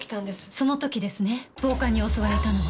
その時ですね暴漢に襲われたのは。